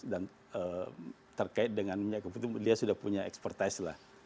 dan terkait dengan minyak kopi itu dia sudah punya expertise lah